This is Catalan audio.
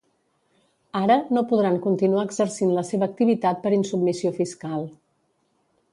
Ara, no podran continuar exercint la seva activitat per insubmissió fiscal.